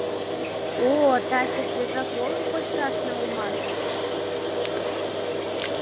— О, таче свежа колым кочшашна улмашыс!